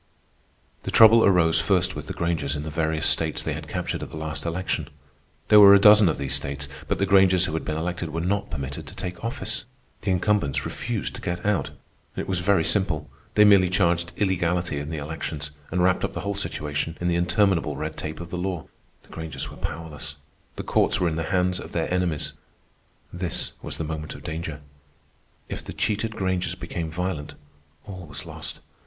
The trouble arose first with the Grangers in the various states they had captured at the last election. There were a dozen of these states, but the Grangers who had been elected were not permitted to take office. The incumbents refused to get out. It was very simple. They merely charged illegality in the elections and wrapped up the whole situation in the interminable red tape of the law. The Grangers were powerless. The courts were in the hands of their enemies. This was the moment of danger. If the cheated Grangers became violent, all was lost.